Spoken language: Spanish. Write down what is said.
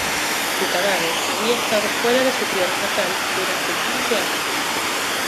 Su cadáver había estado fuera de su tierra natal durante quince años.